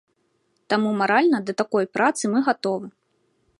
Таму маральна да такой працы мы гатовы.